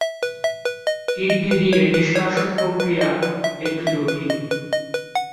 Kidney দিয়ে নিষ্কাশন প্রক্রিয়া একটু জটিল।